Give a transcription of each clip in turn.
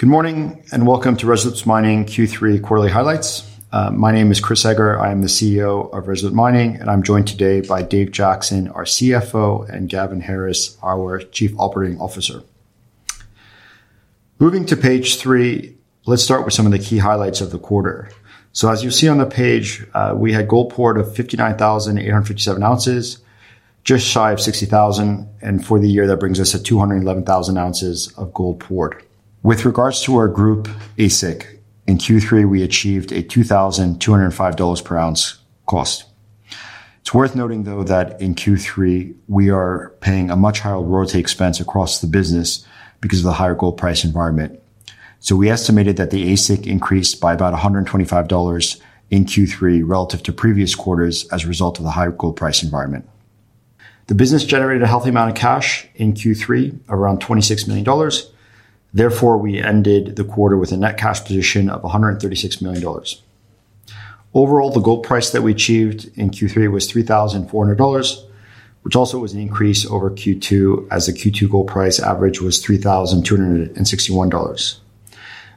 Good morning and welcome to Resolute Mining Q3 quarterly highlights. My name is Chris Eger. I am the CEO of Resolute Mining, and I'm joined today by Dave Jackson, our CFO, and Gavin Harris, our Chief Operating Officer. Moving to page three, let's start with some of the key highlights of the quarter. As you see on the page, we had gold poured of 59,857 ounces, just shy of 60,000, and for the year, that brings us at 211,000 ounces of gold poured. With regards to our group AISC, in Q3, we achieved a $2,205 per ounce cost. It's worth noting, though, that in Q3, we are paying a much higher royalty expense across the business because of the higher gold price environment. We estimated that the AISC increased by about $125 in Q3 relative to previous quarters as a result of the higher gold price environment. The business generated a healthy amount of cash in Q3, around $26 million. Therefore, we ended the quarter with a net cash position of $136 million. Overall, the gold price that we achieved in Q3 was $3,400, which also was an increase over Q2, as the Q2 gold price average was $3,261.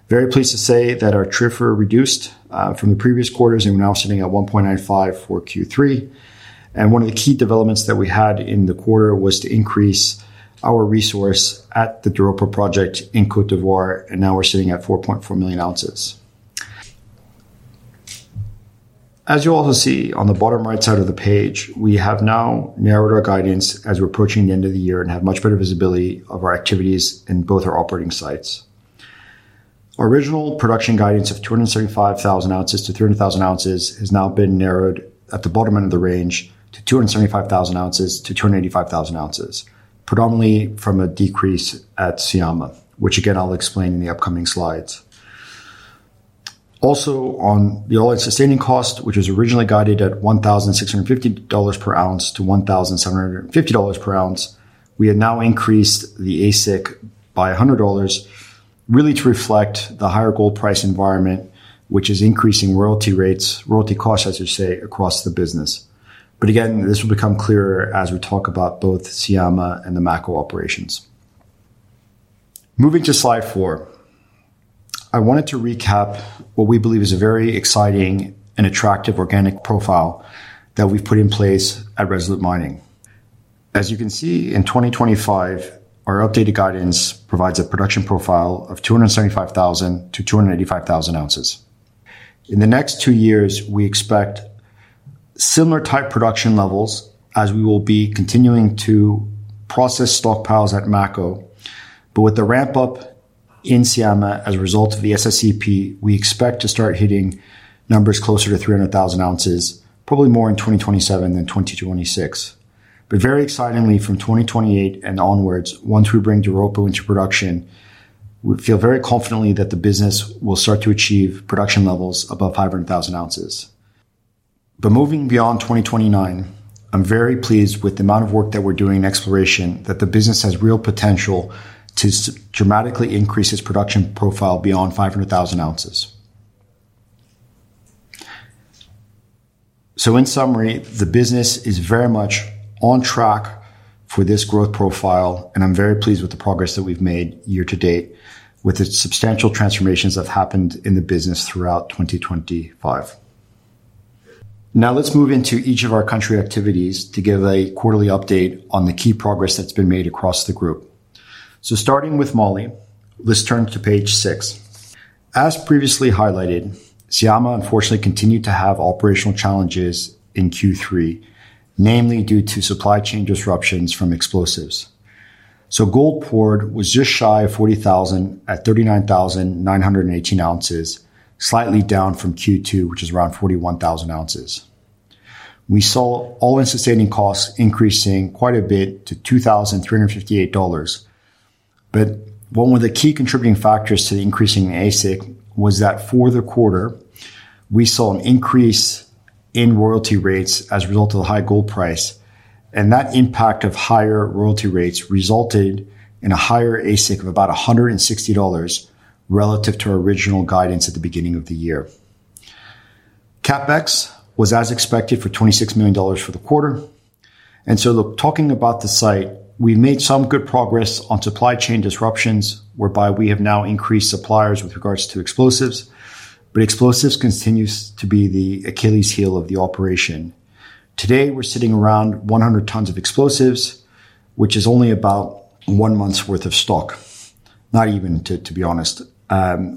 Very pleased to say that our TRIFR reduced from the previous quarters, and we're now sitting at 1.95 for Q3. One of the key developments that we had in the quarter was to increase our resource at the Doropo project in Côte d’Ivoire, and now we're sitting at 4.4 million ounces. As you also see on the bottom right side of the page, we have now narrowed our guidance as we're approaching the end of the year and have much better visibility of our activities in both our operating sites. Our original production guidance of 275,000 ounces to 300,000 ounces has now been narrowed at the bottom end of the range to 275,000 ounces to 285,000 ounces, predominantly from a decrease at Syama, which again I'll explain in the upcoming slides. Also, on the all-in sustaining cost, which was originally guided at $1,650 per ounce to $1,750 per ounce, we have now increased the AISC by $100, really to reflect the higher gold price environment, which is increasing royalty rates, royalty costs, as you say, across the business. This will become clearer as we talk about both Syama and the Mako operations. Moving to slide four, I wanted to recap what we believe is a very exciting and attractive organic profile that we've put in place at Resolute Mining. As you can see, in 2025, our updated guidance provides a production profile of 275,000 to 285,000 ounces. In the next two years, we expect similar type production levels as we will be continuing to process stockpiles at Mako, but with the ramp-up in Syama as a result of the SSEP, we expect to start hitting numbers closer to 300,000 ounces, probably more in 2027 than 2026. Very excitingly, from 2028 and onwards, once we bring Doropo into production, we feel very confidently that the business will start to achieve production levels above 500,000 ounces. Moving beyond 2029, I'm very pleased with the amount of work that we're doing in exploration, that the business has real potential to dramatically increase its production profile beyond 500,000 ounces. In summary, the business is very much on track for this growth profile, and I'm very pleased with the progress that we've made year to date with the substantial transformations that have happened in the business throughout 2025. Now let's move into each of our country activities to give a quarterly update on the key progress that's been made across the group. Starting with Mali, let's turn to page six. As previously highlighted, Syama unfortunately continued to have operational challenges in Q3, namely due to supply chain disruptions from explosives. Gold poured was just shy of 40,000 at 39,918 ounces, slightly down from Q2, which is around 41,000 ounces. We saw all-in sustaining costs increasing quite a bit to $2,358. One of the key contributing factors to the increase in AISC was that for the quarter, we saw an increase in royalty rates as a result of the high gold price, and that impact of higher royalty rates resulted in a higher AISC of about $160 relative to our original guidance at the beginning of the year. CapEx was as expected for $26 million for the quarter. Talking about the site, we've made some good progress on supply chain disruptions whereby we have now increased suppliers with regards to explosives, but explosives continue to be the Achilles heel of the operation. Today, we're sitting around 100 tons of explosives, which is only about one month's worth of stock, not even to be honest.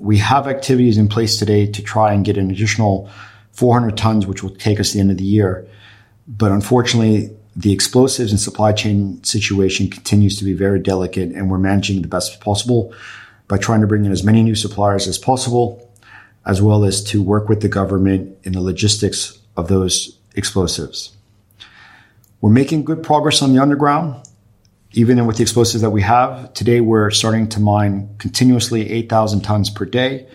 We have activities in place today to try and get an additional 400 tons, which will take us to the end of the year. Unfortunately, the explosives and supply chain situation continues to be very delicate, and we're managing the best possible by trying to bring in as many new suppliers as possible, as well as to work with the government in the logistics of those explosives. We're making good progress on the underground, even with the explosives that we have today, we're starting to mine continuously 8,000 tons per day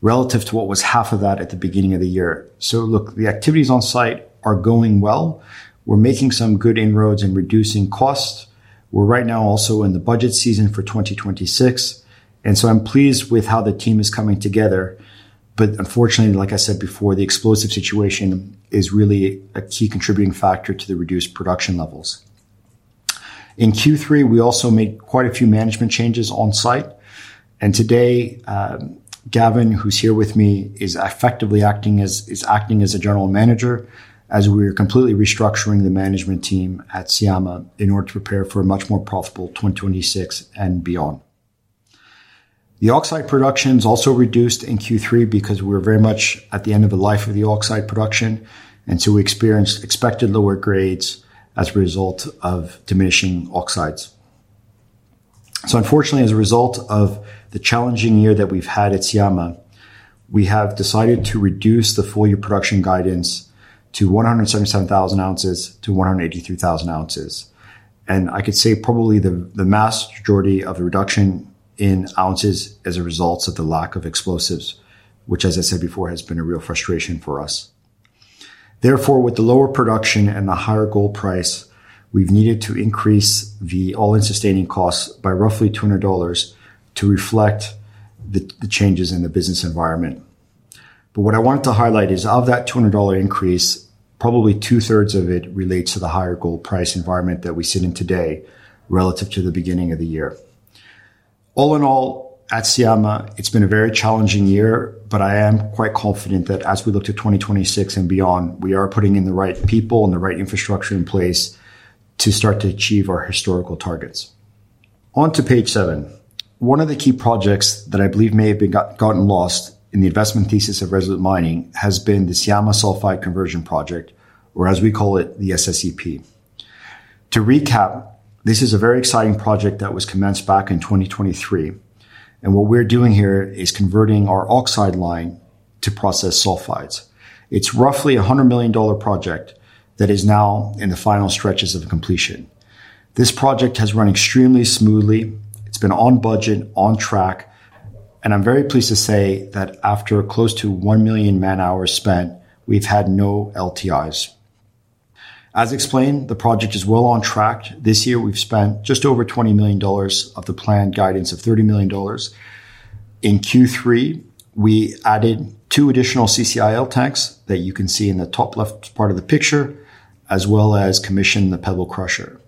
relative to what was half of that at the beginning of the year. The activities on site are going well. We're making some good inroads in reducing costs. We're right now also in the budget season for 2026, and I'm pleased with how the team is coming together. Unfortunately, like I said before, the explosive situation is really a key contributing factor to the reduced production levels. In Q3, we also made quite a few management changes on site, and today, Gavin, who's here with me, is effectively acting as a General Manager as we're completely restructuring the management team at Syama in order to prepare for a much more profitable 2026 and beyond. The oxide production is also reduced in Q3 because we're very much at the end of the life of the oxide production, and we experienced expected lower grades as a result of diminishing oxides. Unfortunately, as a result of the challenging year that we've had at Syama, we have decided to reduce the full-year production guidance to 177,000 ounces to 183,000 ounces. I could say probably the mass majority of the reduction in ounces is a result of the lack of explosives, which, as I said before, has been a real frustration for us. Therefore, with the lower production and the higher gold price, we've needed to increase the all-in sustaining costs by roughly $200 to reflect the changes in the business environment. What I wanted to highlight is of that $200 increase, probably two-thirds of it relates to the higher gold price environment that we sit in today relative to the beginning of the year. All in all, at Syama, it's been a very challenging year, but I am quite confident that as we look to 2026 and beyond, we are putting in the right people and the right infrastructure in place to start to achieve our historical targets. On to page seven. One of the key projects that I believe may have been gotten lost in the investment thesis of Resolute Mining has been the Syama Sulphide Conversion Project, or as we call it, the SSEP. To recap, this is a very exciting project that was commenced back in 2023, and what we're doing here is converting our oxide line to process sulfides. It's roughly a $100 million project that is now in the final stretches of completion. This project has run extremely smoothly. It's been on budget, on track, and I'm very pleased to say that after close to 1 million man-hours spent, we've had no LTIs. As explained, the project is well on track. This year, we've spent just over $20 million of the planned guidance of $30 million. In Q3, we added two additional CCIL tanks that you can see in the top left part of the picture, as well as commissioned the pebble crusher.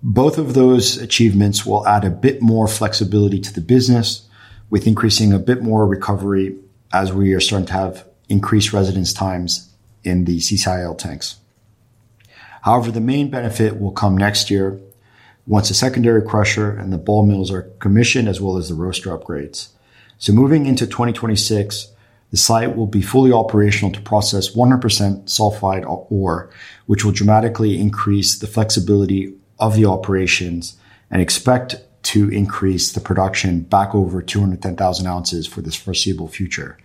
Both of those achievements will add a bit more flexibility to the business, with increasing a bit more recovery as we are starting to have increased residence times in the CCIL tanks. However, the main benefit will come next year once the secondary crusher and the ball mills are commissioned, as well as the roaster upgrades. Moving into 2026, the site will be fully operational to process 100% sulphide ore, which will dramatically increase the flexibility of the operations and expect to increase the production back over 210,000 ounces for the foreseeable future.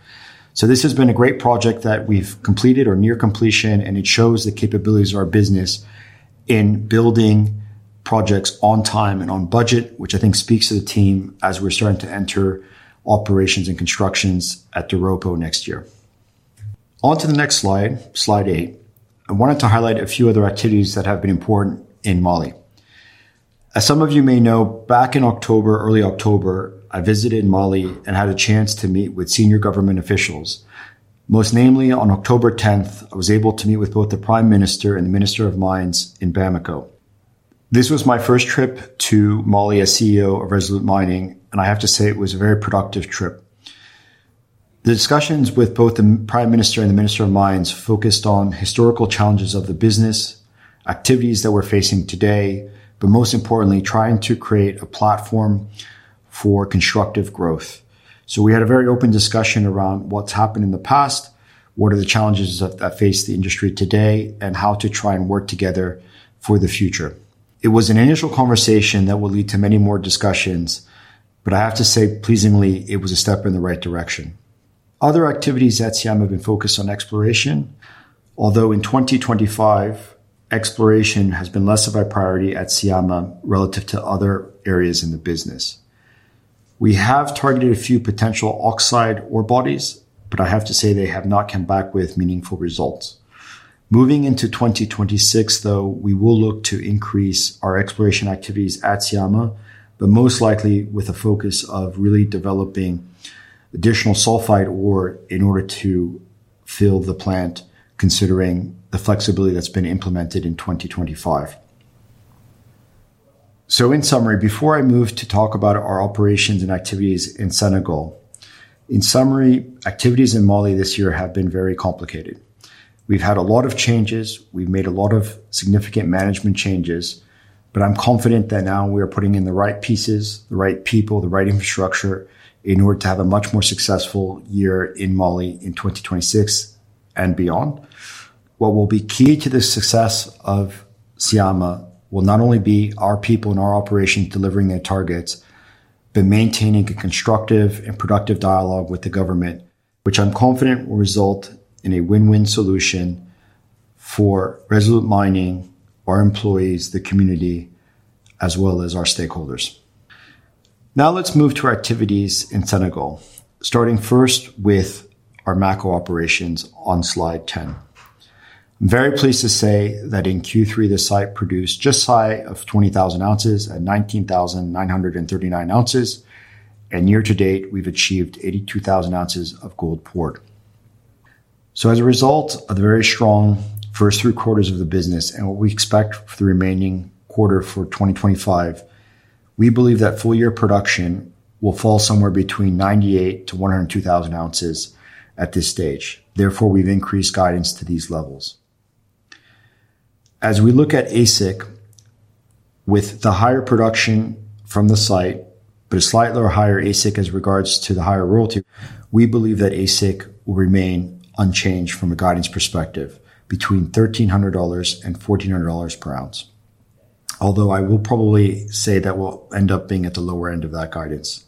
This has been a great project that we've completed or near completion, and it shows the capabilities of our business in building projects on time and on budget, which I think speaks to the team as we're starting to enter operations and constructions at Doropo next year. On to the next slide, slide eight. I wanted to highlight a few other activities that have been important in Mali. As some of you may know, back in October, early October, I visited Mali and had a chance to meet with senior government officials. Most namely, on October 10th, I was able to meet with both the Prime Minister and the Minister of Mines in Bamako. This was my first trip to Mali as CEO of Resolute Mining, and I have to say it was a very productive trip. The discussions with both the Prime Minister and the Minister of Mines focused on historical challenges of the business, activities that we're facing today, but most importantly, trying to create a platform for constructive growth. We had a very open discussion around what's happened in the past, what are the challenges that face the industry today, and how to try and work together for the future. It was an initial conversation that would lead to many more discussions, but I have to say, pleasingly, it was a step in the right direction. Other activities at Syama have been focused on exploration, although in 2025, exploration has been less of a priority at Syama relative to other areas in the business. We have targeted a few potential oxide ore bodies, but I have to say they have not come back with meaningful results. Moving into 2026, though, we will look to increase our exploration activities at Syama, but most likely with a focus of really developing additional sulphide ore in order to fill the plant, considering the flexibility that's been implemented in 2025. In summary, before I move to talk about our operations and activities in Senegal, activities in Mali this year have been very complicated. We've had a lot of changes. We've made a lot of significant management changes, but I'm confident that now we are putting in the right pieces, the right people, the right infrastructure in order to have a much more successful year in Mali in 2026 and beyond. What will be key to the success of Syama will not only be our people and our operations delivering their targets, but maintaining a constructive and productive dialogue with the government, which I'm confident will result in a win-win solution for Resolute Mining, our employees, the community, as well as our stakeholders. Now let's move to our activities in Senegal, starting first with our Mako operation on slide 10. I'm very pleased to say that in Q3, the site produced just shy of 20,000 ounces at 19,939 ounces, and year to date, we've achieved 82,000 ounces of gold poured. As a result of the very strong first three quarters of the business and what we expect for the remaining quarter for 2025, we believe that full-year production will fall somewhere between 98,000-102,000 ounces at this stage. Therefore, we've increased guidance to these levels. As we look at AISC, with the higher production from the site, but a slightly higher AISC as regards to the higher royalty, we believe that AISC will remain unchanged from a guidance perspective between $1,300 and $1,400 per ounce. Although I will probably say that we'll end up being at the lower end of that guidance.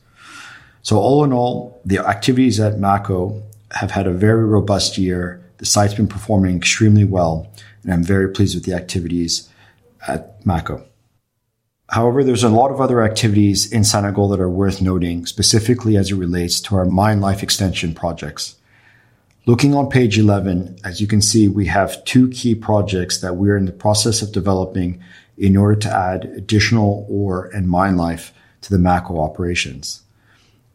All in all, the activities at Mako have had a very robust year. The site's been performing extremely well, and I'm very pleased with the activities at Mako. However, there's a lot of other activities in Senegal that are worth noting, specifically as it relates to our mine life extension projects. Looking on page 11, as you can see, we have two key projects that we are in the process of developing in order to add additional ore and mine life to the Mako operation.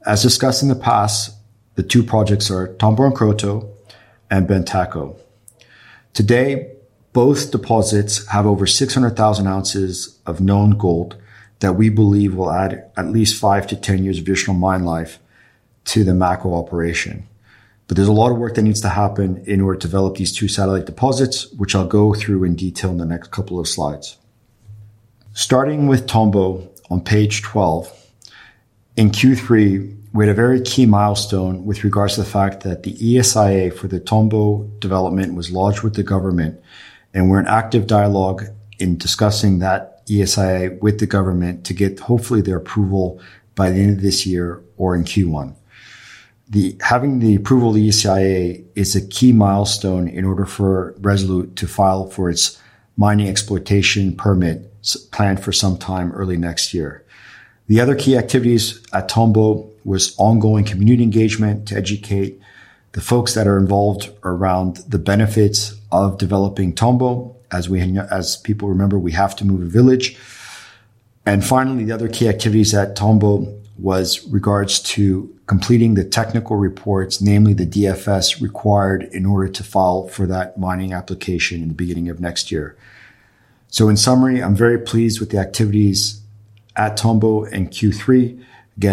As discussed in the past, the two projects are Tomboronkoto and Bantaco. Today, both deposits have over 600,000 ounces of known gold that we believe will add at least 5-10 years of additional mine life to the Mako operation. There is a lot of work that needs to happen in order to develop these two satellite deposits, which I'll go through in detail in the next couple of slides. Starting with Tombo on page 12, in Q3, we had a very key milestone with regards to the fact that the ESIA for the Tombo development was lodged with the government, and we're in active dialogue in discussing that ESIA with the government to get hopefully their approval by the end of this year or in Q1. Having the approval of the ESIA is a key milestone in order for Resolute to file for its mining exploitation permit planned for some time early next year. The other key activities at Tombo were ongoing community engagement to educate the folks that are involved around the benefits of developing Tombo. As people remember, we have to move a village. Finally, the other key activities at Tombo were in regards to completing the technical reports, namely the DFS required in order to file for that mining application in the beginning of next year. In summary, I'm very pleased with the activities at Tombo in Q3.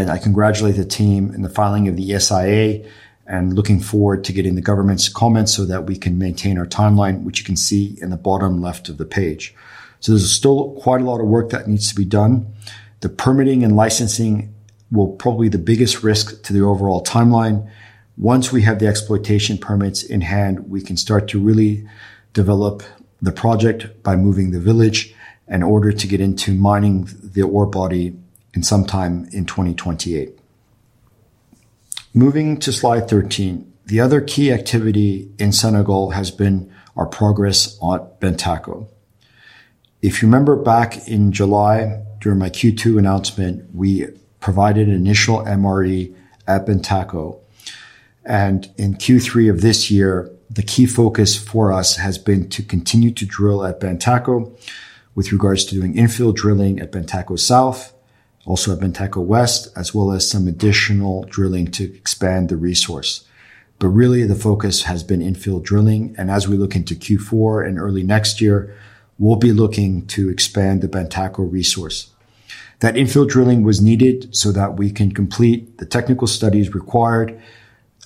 I congratulate the team in the filing of the ESIA and look forward to getting the government's comments so that we can maintain our timeline, which you can see in the bottom left of the page. There is still quite a lot of work that needs to be done. The permitting and licensing will probably be the biggest risk to the overall timeline. Once we have the exploitation permits in hand, we can start to really develop the project by moving the village in order to get into mining the ore body sometime in 2028. Moving to slide 13, the other key activity in Senegal has been our progress on Bantaco. If you remember back in July, during my Q2 announcement, we provided an initial MRE at Bantaco. In Q3 of this year, the key focus for us has been to continue to drill at Bantaco with regards to doing infield drilling at Bantaco South, also at Bantaco West, as well as some additional drilling to expand the resource. Really, the focus has been infield drilling. As we look into Q4 and early next year, we'll be looking to expand the Bantaco resource. That infield drilling was needed so that we can complete the technical studies required,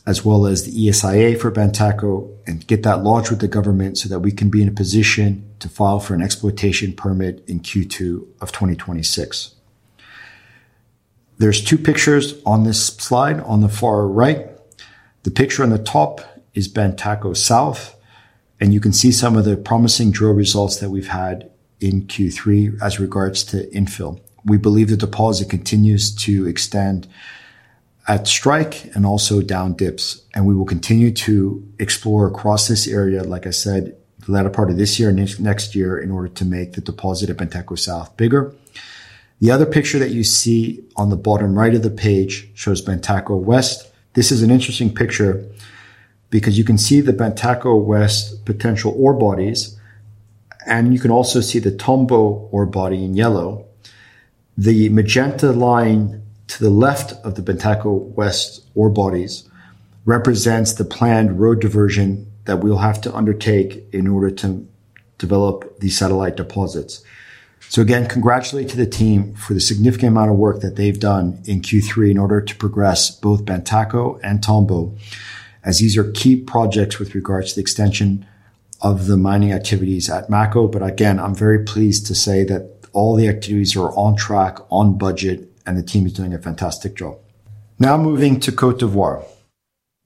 as well as the ESIA for Bantaco, and get that lodged with the government so that we can be in a position to file for an exploitation permit in Q2 of 2026. There are two pictures on this slide. On the far right, the picture on the top is Bantaco South, and you can see some of the promising drill results that we've had in Q3 as regards to infield. We believe the deposit continues to extend at strike and also down dips, and we will continue to explore across this area, like I said, the latter part of this year and next year in order to make the deposit at Bantaco South bigger. The other picture that you see on the bottom right of the page shows Bantaco West. This is an interesting picture because you can see the Bantaco West potential ore bodies, and you can also see the Tombo ore body in yellow. The magenta line to the left of the Bantaco West ore bodies represents the planned road diversion that we'll have to undertake in order to develop these satellite deposits. Again, congratulations to the team for the significant amount of work that they've done in Q3 in order to progress both Bantaco and Tombo, as these are key projects with regards to the extension of the mining activities at Mako. I'm very pleased to say that all the activities are on track, on budget, and the team is doing a fantastic job. Now moving to Côte d’Ivoire,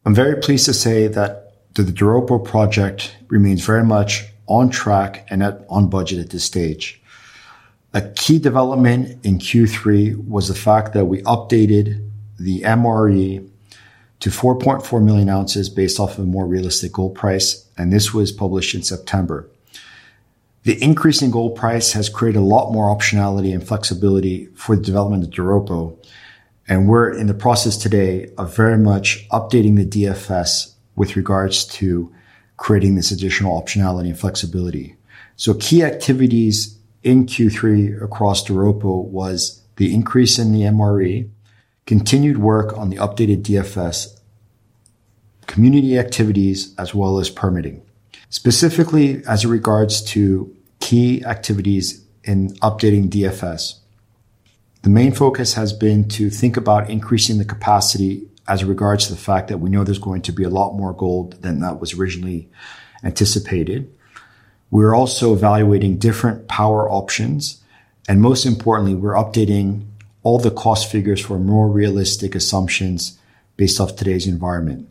I'm very pleased to say that the Doropo project remains very much on track and on budget at this stage. A key development in Q3 was the fact that we updated the mineral resource estimate to 4.4 million ounces based off of a more realistic gold price, and this was published in September. The increase in gold price has created a lot more optionality and flexibility for the development of Doropo, and we're in the process today of very much updating the definitive feasibility study with regards to creating this additional optionality and flexibility. Key activities in Q3 across Doropo were the increase in the MRE, continued work on the updated definitive feasibility study, community activities, as well as permitting. Specifically, as regards to key activities in updating the definitive feasibility study, the main focus has been to think about increasing the capacity as regards to the fact that we know there's going to be a lot more gold than was originally anticipated. We're also evaluating different power options, and most importantly, we're updating all the cost figures for more realistic assumptions based off today's environment.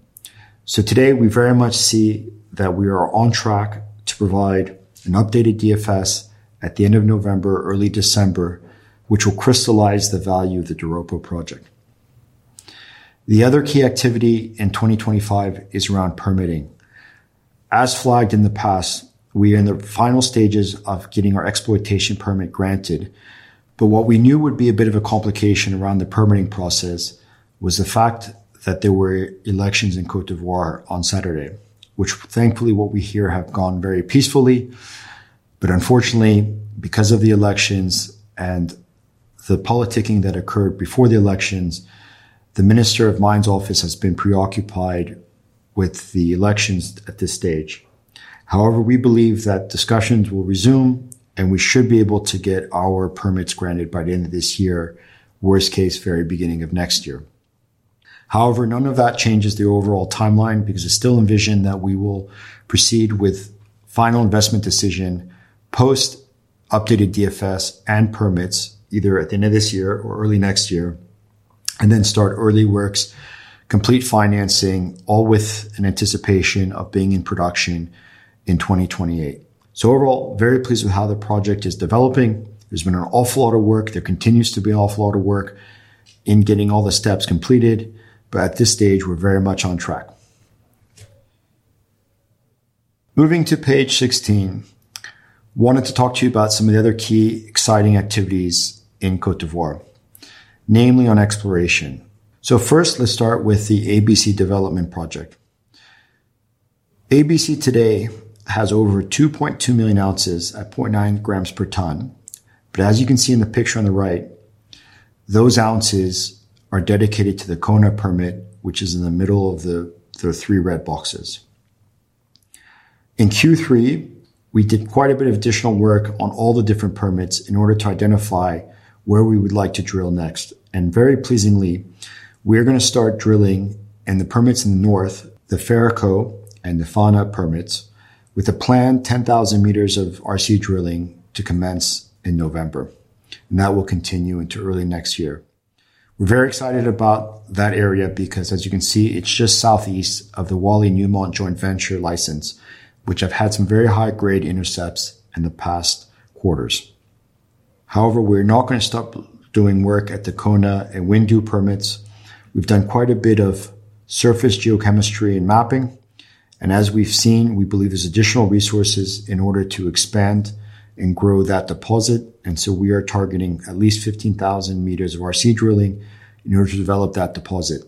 Today, we very much see that we are on track to provide an updated DFS at the end of November, early December, which will crystallize the value of the Doropo project. The other key activity in 2025 is around permitting. As flagged in the past, we are in the final stages of getting our exploitation permit granted. What we knew would be a bit of a complication around the permitting process was the fact that there were elections in Côte d’Ivoire on Saturday, which thankfully, from what we hear, have gone very peacefully. Unfortunately, because of the elections and the politicking that occurred before the elections, the Minister of Mines' office has been preoccupied with the elections at this stage. However, we believe that discussions will resume, and we should be able to get our permits granted by the end of this year, worst case, very beginning of next year. None of that changes the overall timeline because it's still envisioned that we will proceed with final investment decision post-updated DFS and permits either at the end of this year or early next year, and then start early works, complete financing, all with an anticipation of being in production in 2028. Overall, very pleased with how the project is developing. There's been an awful lot of work. There continues to be an awful lot of work in getting all the steps completed, but at this stage, we're very much on track. Moving to page 16, I wanted to talk to you about some of the other key exciting activities in Côte d’Ivoire, namely on exploration. First, let's start with the ABC Development Project. ABC today has over 2.2 million ounces at 0.9 grams per ton. As you can see in the picture on the right, those ounces are dedicated to the Kona permit, which is in the middle of the three red boxes. In Q3, we did quite a bit of additional work on all the different permits in order to identify where we would like to drill next. Very pleasingly, we are going to start drilling in the permits in the north, the Farako-Nafana permits, with a planned 10,000 meters of RC drilling to commence in November. That will continue into early next year. We're very excited about that area because, as you can see, it's just southeast of the Wally Newmont Joint Venture license, which has had some very high-grade intercepts in the past quarters. However, we're not going to stop doing work at the Kona and Windou permits. We've done quite a bit of surface geochemistry and mapping. As we've seen, we believe there's additional resources in order to expand and grow that deposit. We are targeting at least 15,000 meters of RC drilling in order to develop that deposit.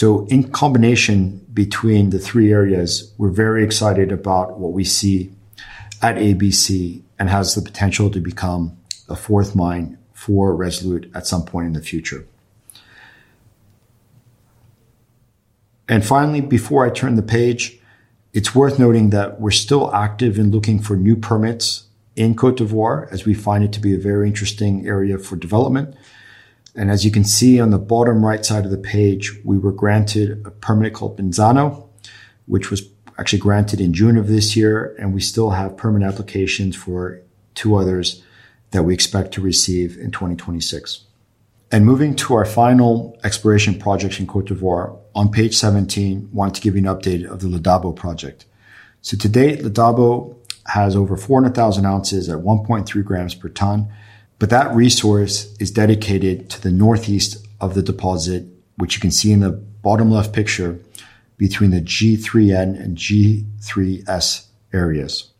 In combination between the three areas, we're very excited about what we see at ABC and it has the potential to become the fourth mine for Resolute at some point in the future. Finally, before I turn the page, it's worth noting that we're still active in looking for new permits in Côte d’Ivoire as we find it to be a very interesting area for development. As you can see on the bottom right side of the page, we were granted a permit called Benzano, which was actually granted in June of this year, and we still have permit applications for two others that we expect to receive in 2026. Moving to our final exploration projects in Côte d’Ivoire, on page 17, I want to give you an update of the Le Debo project. Today, Le Debo has over 400,000 ounces at 1.3 grams per ton, but that resource is dedicated to the northeast of the deposit, which you can see in the bottom left picture between the G3N and G3S areas.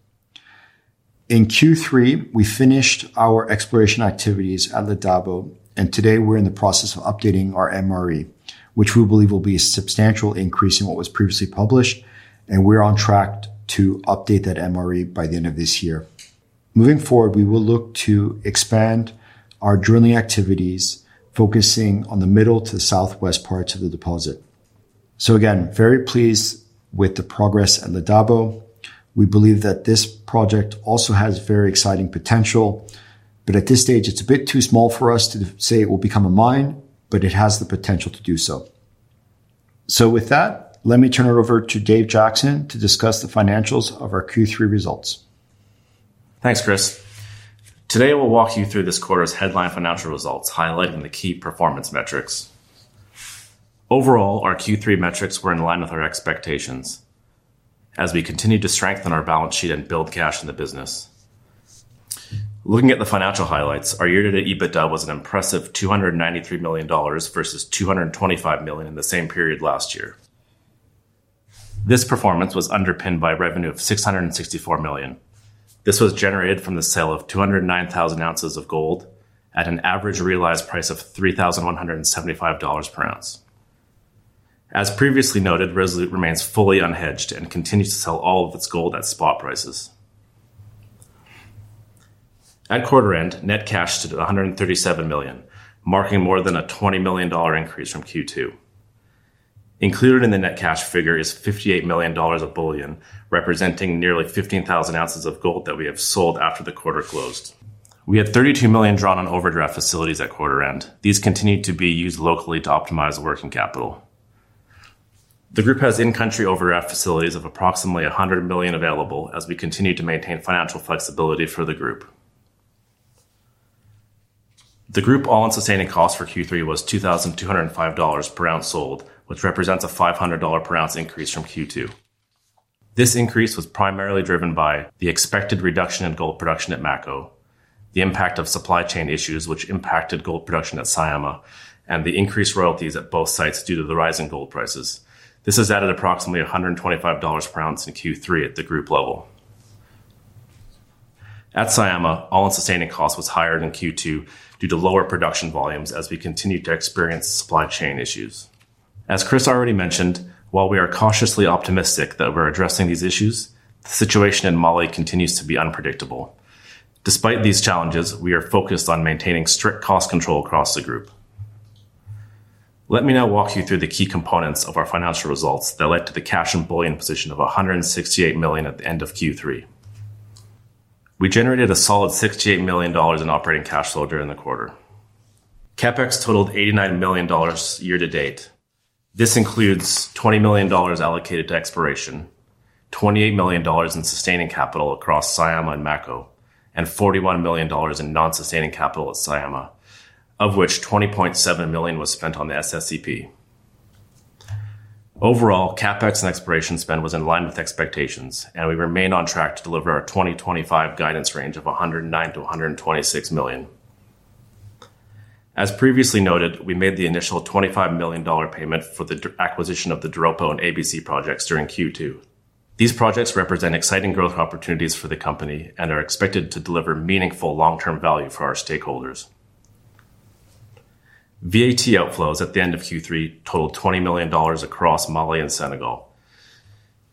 In Q3, we finished our exploration activities at Le Debo, and today we're in the process of updating our MRE, which we believe will be a substantial increase in what was previously published, and we're on track to update that MRE by the end of this year. Moving forward, we will look to expand our drilling activities, focusing on the middle to the southwest parts of the deposit. Again, very pleased with the progress at Le Debo. We believe that this project also has very exciting potential, but at this stage, it's a bit too small for us to say it will become a mine, but it has the potential to do so. With that, let me turn it over to Dave Jackson to discuss the financials of our Q3 results. Thanks, Chris. Today, we'll walk you through this quarter's headline financial results, highlighting the key performance metrics. Overall, our Q3 metrics were in line with our expectations as we continue to strengthen our balance sheet and build cash in the business. Looking at the financial highlights, our year-to-date EBITDA was an impressive $293 million versus $225 million in the same period last year. This performance was underpinned by a revenue of $664 million. This was generated from the sale of 209,000 ounces of gold at an average realized price of $3,175 per ounce. As previously noted, Resolute remains fully unhedged and continues to sell all of its gold at spot prices. At quarter end, net cash stood at $137 million, marking more than a $20 million increase from Q2. Included in the net cash figure is $58 million of bullion, representing nearly 15,000 ounces of gold that we have sold after the quarter closed. We had $32 million drawn on overdraft facilities at quarter end. These continue to be used locally to optimize the working capital. The group has in-country overdraft facilities of approximately $100 million available as we continue to maintain financial flexibility for the group. The group all-in sustaining cost for Q3 was $2,205 per ounce sold, which represents a $500 per ounce increase from Q2. This increase was primarily driven by the expected reduction in gold production at Mako, the impact of supply chain disruptions which impacted gold production at Syama, and the increased royalty expenses at both sites due to the rising gold prices. This has added approximately $125 per ounce in Q3 at the group level. At Syama, all-in sustaining cost was higher than Q2 due to lower production volumes as we continue to experience supply chain disruptions. As Chris already mentioned, while we are cautiously optimistic that we're addressing these issues, the situation in Mali continues to be unpredictable. Despite these challenges, we are focused on maintaining strict cost control across the group. Let me now walk you through the key components of our financial results that led to the cash and bullion position of $168 million at the end of Q3. We generated a solid $68 million in operating cash flow during the quarter. CapEx totaled $89 million year to date. This includes $20 million allocated to exploration, $28 million in sustaining capital across Syama and Mako, and $41 million in non-sustaining capital at Syama, of which $20.7 million was spent on the SSEP. Overall, CapEx and exploration spend was in line with expectations, and we remain on track to deliver our 2025 guidance range of $109 million-$126 million. As previously noted, we made the initial $25 million payment for the acquisition of the Doropo and ABC projects during Q2. These projects represent exciting growth opportunities for the company and are expected to deliver meaningful long-term value for our stakeholders. VAT outflows at the end of Q3 totaled $20 million across Mali and Senegal.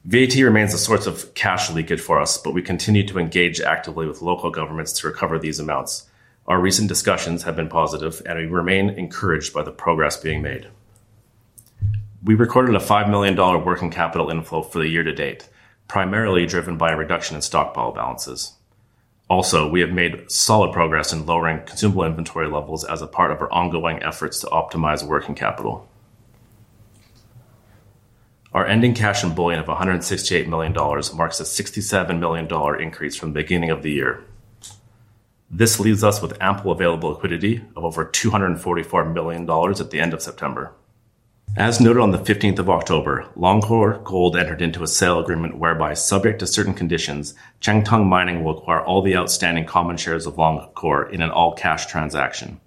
VAT remains a source of cash leakage for us, but we continue to engage actively with local governments to recover these amounts. Our recent discussions have been positive, and we remain encouraged by the progress being made. We recorded a $5 million working capital inflow for the year to date, primarily driven by a reduction in stockpile balances. Also, we have made solid progress in lowering consumable inventory levels as a part of our ongoing efforts to optimize working capital. Our ending cash and bullion of $168 million marks a $67 million increase from the beginning of the year. This leaves us with ample available liquidity of over $244 million at the end of September. As noted on the 15th of October, Loncor Gold entered into a sale agreement whereby, subject to certain conditions, Changtong Mining will acquire all the outstanding common shares of Loncor in an all-cash transaction.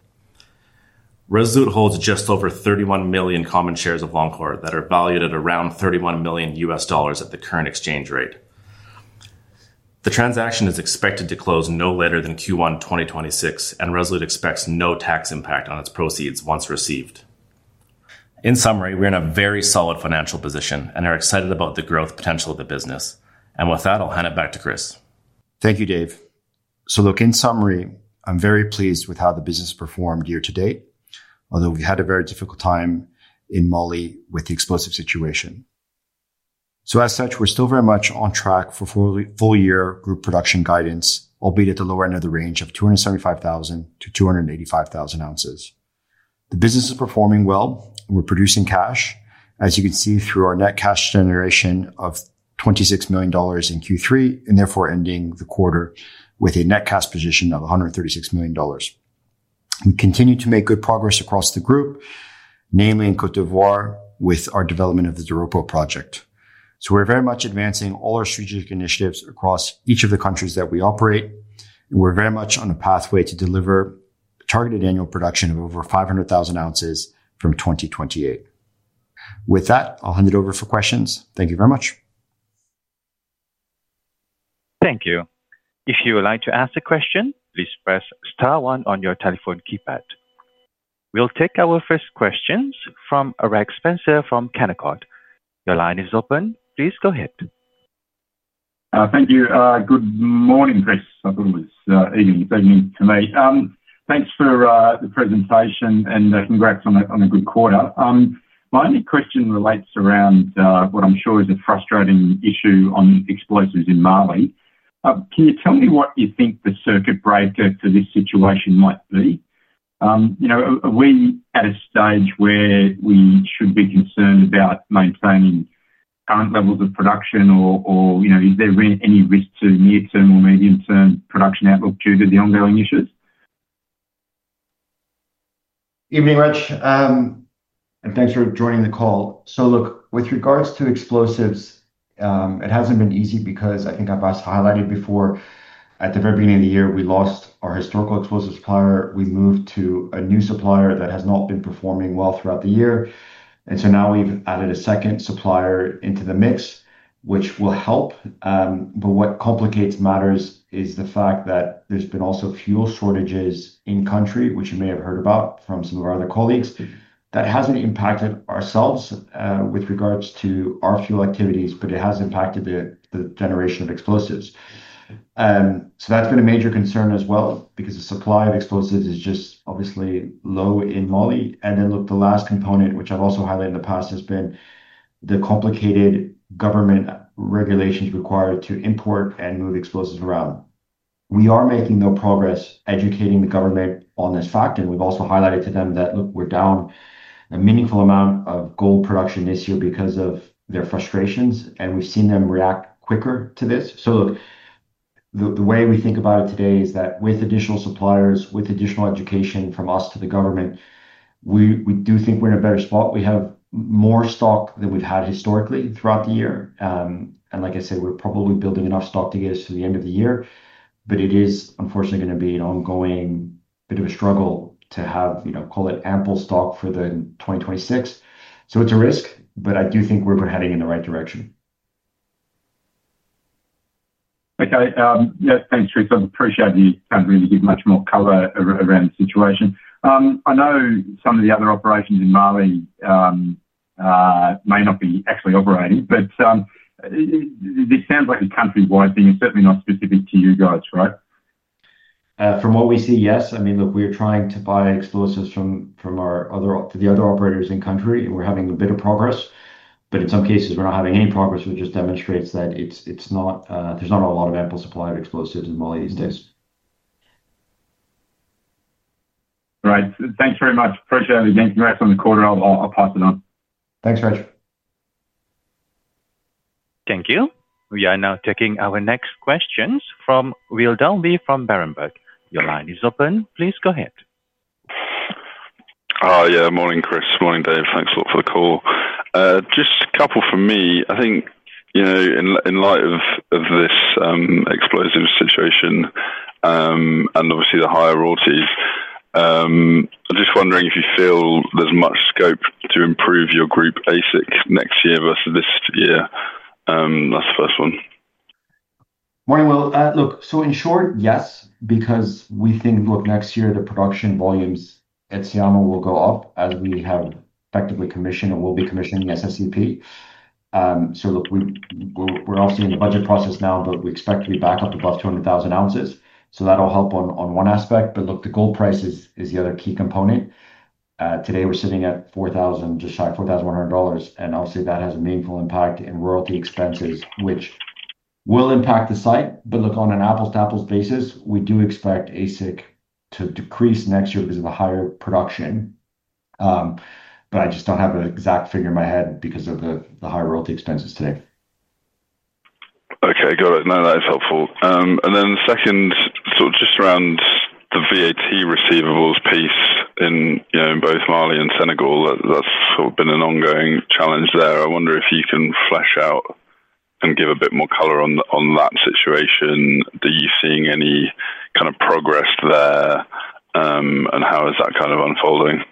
Resolute holds just over 31 million common shares of Loncor that are valued at around $31 million at the current exchange rate. The transaction is expected to close no later than Q1 2026, and Resolute expects no tax impact on its proceeds once received. In summary, we're in a very solid financial position and are excited about the growth potential of the business. With that, I'll hand it back to Chris. Thank you, Dave. In summary, I'm very pleased with how the business performed year to date, although we've had a very difficult time in Mali with the explosive situation. We're still very much on track for full-year group production guidance, albeit at the lower end of the range of 275,000-285,000 ounces. The business is performing well. We're producing cash, as you can see through our net cash generation of $26 million in Q3, and therefore ending the quarter with a net cash position of $136 million. We continue to make good progress across the group, namely in Côte d’Ivoire with our development of the Doropo project. We're very much advancing all our strategic initiatives across each of the countries that we operate, and we're very much on a pathway to deliver targeted annual production of over 500,000 ounces from 2028. With that, I'll hand it over for questions. Thank you very much. Thank you. If you would like to ask a question, please press star one on your telephone keypad. We'll take our first questions from Reg Spencer from Canaccord. Your line is open. Please go ahead. Thank you. Good morning, Chris. I believe it's evening to me. Thanks for the presentation and congrats on a good quarter. My only question relates around what I'm sure is a frustrating issue on explosives in Mali. Can you tell me what you think the circuit breaker for this situation might be? Are we at a stage where we should be concerned about maintaining current levels of production, or is there any risk to near-term or medium-term production outlook due to the ongoing issues? Evening, Reg. Thanks for joining the call. With regards to explosives, it hasn't been easy because I think I've highlighted before, at the very beginning of the year, we lost our historical explosive supplier. We moved to a new supplier that has not been performing well throughout the year. Now we've added a second supplier into the mix, which will help. What complicates matters is the fact that there have also been fuel shortages in country, which you may have heard about from some of our other colleagues. That hasn't impacted ourselves with regards to our fuel activities, but it has impacted the generation of explosives. That's been a major concern as well because the supply of explosives is obviously low in Mali. The last component, which I've also highlighted in the past, has been the complicated government regulations required to import and move explosives around. We are making no progress educating the government on this fact, and we've also highlighted to them that we're down a meaningful amount of gold production this year because of their frustrations, and we've seen them react quicker to this. The way we think about it today is that with additional suppliers, with additional education from us to the government, we do think we're in a better spot. We have more stock than we've had historically throughout the year. Like I said, we're probably building enough stock to get us to the end of the year, but it is unfortunately going to be an ongoing bit of a struggle to have, you know, call it ample stock for 2026. It's a risk, but I do think we're heading in the right direction. Okay. Yeah, thanks, Chris. I appreciate you trying to really give much more color around the situation. I know some of the other operations in Mali may not be actually operating, but this sounds like a countrywide thing and certainly not specific to you guys, right? From what we see, yes. I mean, look, we are trying to buy explosives from the other operators in country, and we're having a bit of progress. In some cases, we're not having any progress, which just demonstrates that there's not a whole lot of ample supply of explosives in Mali these days. Right. Thanks very much. Appreciate it again. Congrats on the quarter. I'll pass it on. Thanks, Reg. Thank you. We are now taking our next questions from Will Dahlby from Berenberg. Your line is open. Please go ahead. Yeah. Morning, Chris. Morning, Dave. Thanks a lot for the call. Just a couple for me. I think, you know, in light of this explosive situation and obviously the higher royalty expenses, I'm just wondering if you feel there's much scope to improve your group AISC next year versus this year. That's the first one. Morning, Will. In short, yes, because we think next year the production volumes at Syama will go up as we have effectively commissioned and will be commissioning the SSEP. We're obviously in the budget process now, but we expect to be back up to about 200,000 ounces. That'll help on one aspect. The gold price is the other key component. Today we're sitting at $4,000, just shy of $4,100, and obviously that has a meaningful impact in royalty expenses, which will impact the site. On an apples-to-apples basis, we do expect AISC to decrease next year because of the higher production. I just don't have an exact figure in my head because of the high royalty expenses today. Okay. Got it. No, that is helpful. The second, sort of just around the VAT receivables piece in both Mali and Senegal, that's sort of been an ongoing challenge there. I wonder if you can flesh out and give a bit more color on that situation. Are you seeing any kind of progress there, and how is that kind of unfolding?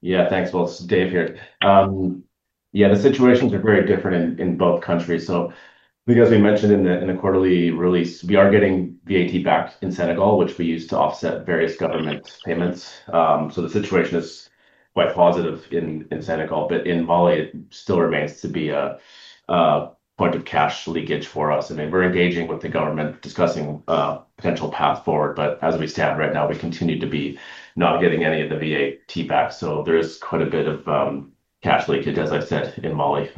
Yeah, thanks, Will. It's Dave here. The situations are very different in both countries. As we mentioned in the quarterly release, we are getting VAT back in Senegal, which we use to offset various government payments. The situation is quite positive in Senegal, but in Mali, it still remains to be a point of cash leakage for us. We're engaging with the government, discussing a potential path forward, but as we stand right now, we continue to be not getting any of the VAT back. There is quite a bit of cash leakage, as I said, in Mali.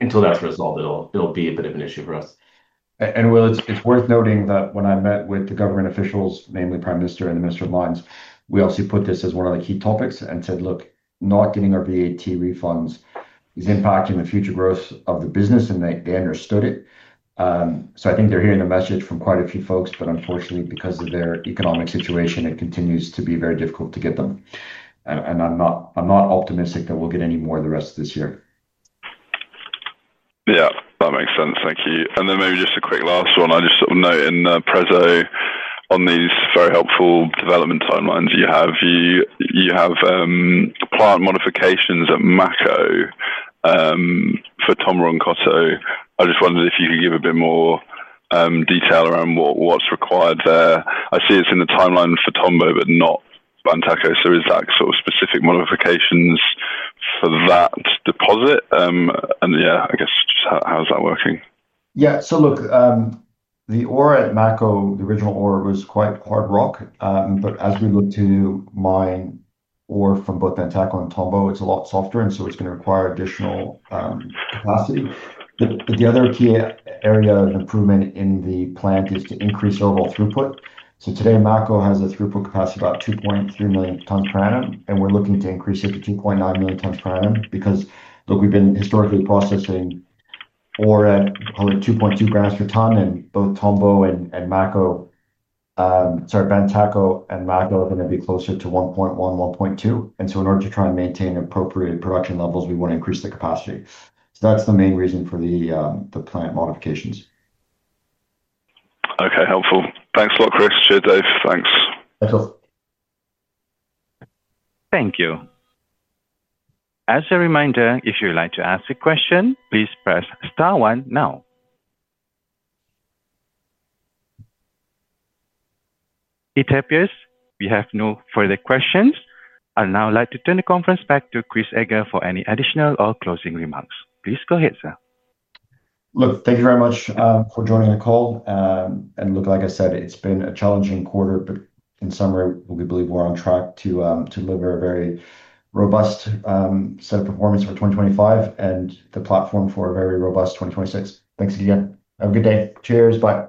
Until that's resolved, it'll be a bit of an issue for us. Will, it's worth noting that when I met with the government officials, namely the Prime Minister and the Minister of Mines, we obviously put this as one of the key topics and said, "Look, not getting our VAT refunds is impacting the future growth of the business," and they understood it. I think they're hearing the message from quite a few folks, but unfortunately, because of their economic situation, it continues to be very difficult to get them. I'm not optimistic that we'll get any more the rest of this year. Yeah, that makes sense. Thank you. Maybe just a quick last one. I just sort of note in the preso on these very helpful development timelines you have, you have plant modifications at Mako for Tomboronkoto. I just wondered if you could give a bit more detail around what's required there. I see it's in the timeline for Tombo, but not Bantaco. Is that sort of specific modifications for that deposit? I guess just how's that working? Yeah. Look, the ore at Mako, the original ore, was quite hard rock. As we look to mine ore from both Bantaco and Tombo, it's a lot softer, and it's going to require additional capacity. The other key area of improvement in the plant is to increase overall throughput. Today, Mako has a throughput capacity of about 2.3 million tons per annum, and we're looking to increase it to 2.9 million tons per annum because we've been historically processing ore at, call it, 2.2 grams per ton, and both Tombo and Mako, sorry, Bantaco and Mako are going to be closer to 1.1, 1.2. In order to try and maintain appropriate production levels, we want to increase the capacity. That's the main reason for the plant modifications. Okay, helpful. Thanks a lot, Chris. Cheers, Dave. Thanks. Thanks, Will. Thank you. As a reminder, if you would like to ask a question, please press star one now. It appears we have no further questions. I'd now like to turn the conference back to Chris Eger for any additional or closing remarks. Please go ahead, sir. Thank you very much for joining the call. Like I said, it's been a challenging quarter, but in summary, we believe we're on track to deliver a very robust set of performance for 2025 and the platform for a very robust 2026. Thanks again. Have a good day. Cheers. Bye.